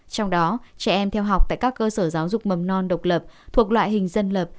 trong đó trẻ em theo học tại các cơ sở giáo dục mầm non độc lập thuộc loại hình dân lập